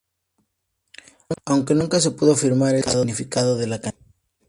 Aunque nunca se pudo afirmar el significado de la canción.